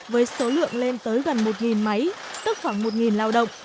với số lượng lên tới gần một máy tức khoảng một lao động